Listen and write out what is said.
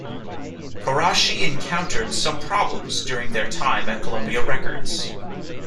Quarashi encountered some problems during their time at Columbia Records.